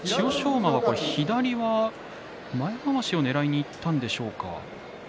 馬は左は前まわしをねらいにいったんでしょうか。